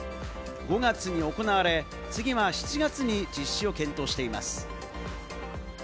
５月に行われ、次は７月に実施を検討しています。